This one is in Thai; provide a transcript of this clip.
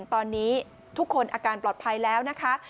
ตอนนี้ทุกคนอาการปลอดภัยแล้วนะคะ